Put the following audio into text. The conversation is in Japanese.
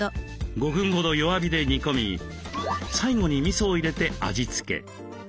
５分ほど弱火で煮込み最後にみそを入れて味付け。